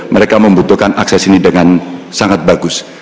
mereka membutuhkan akses ini dengan sangat bagus